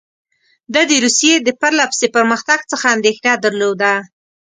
ده د روسیې د پرله پسې پرمختګ څخه اندېښنه درلوده.